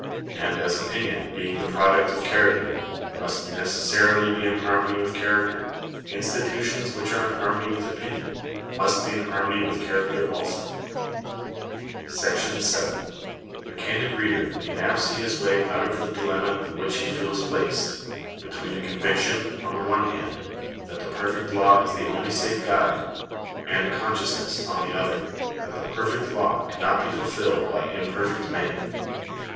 And as opinion, being the product of character (pp. 25, 159), must necessarily be in harmony with character, institutions which are in harmony with opinion, must be in haftnony with character also. §7 The candid reader may now see his way out of the dilemma in which he feels placed, between a conviction, on the one hand, that the perfect law is the only safe guide, and a con sciousness, on the other, that the perfect law cannot be fulfilled by imperfect men.